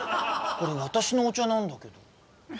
これ私のお茶なんだけど。